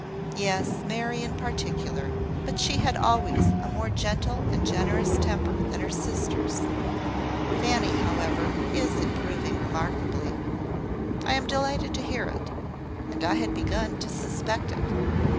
"Yes: Mary in particular; but she had always a more gentle and generous temper than her sisters. Fanny, however, is improving remarkably." "I am delighted to hear it, and I had begun to suspect it.